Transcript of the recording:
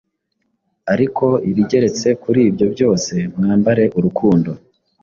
Ariko ibigeretse kuri ibyo byose, mwambare urukundo,